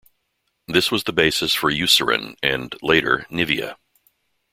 This was the basis for Eucerin and, later, Nivea.